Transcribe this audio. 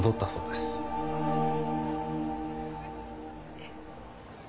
えっ？